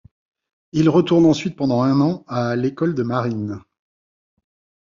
Il retourne ensuite pendant un an à l'école de marine.